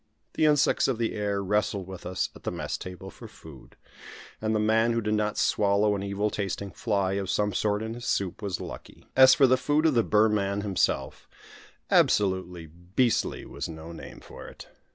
The insects of the air wrestled with us at the mess table, for food; and the man who did not swallow an evil tasting fly of some sort in his soup was lucky. As for the food of the Burman himself, "absolutely beastly" was no name for it.